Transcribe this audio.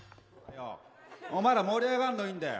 お前ら盛り上がるのはいいんだよ。